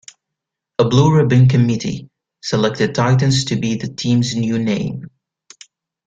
A blue-ribbon committee selected "Titans" to be the team's new name.